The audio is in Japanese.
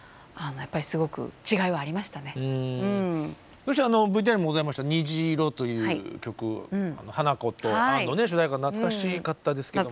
そしてＶＴＲにもございました「にじいろ」という曲「花子とアン」の主題歌懐かしかったですけども。